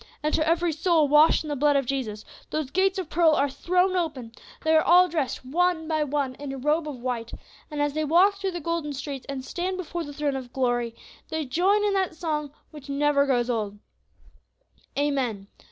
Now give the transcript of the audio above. And to every soul washed in the blood of Jesus those gates of pearl are thrown open; they are all dressed one by one in a robe of white, and as they walk through the golden streets, and stand before the throne of glory, they join in that song which never grows old: 'Amen.